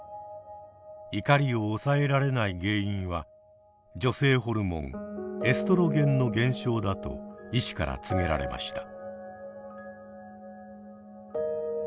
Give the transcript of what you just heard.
怒りを抑えられない原因は女性ホルモンエストロゲンの減少だと医師から告げられました。